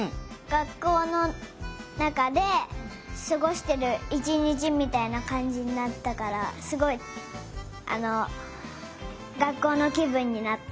がっこうのなかですごしてるいちにちみたいなかんじになったからすごいあのがっこうのきぶんになった。